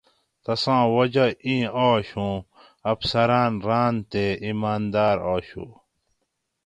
تساں وجہ اِیں آشُو اُوں افسراٞن راٞن تے اِیمانداٞر آشُو